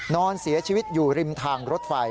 นอนเสียชีวิตอยู่ริมทางรถไฟ